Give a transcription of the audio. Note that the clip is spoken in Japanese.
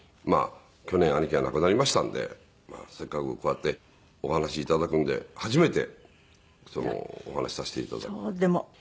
去年兄貴が亡くなりましたんでせっかくこうやってお話し頂くんで初めてお話しさせて頂く。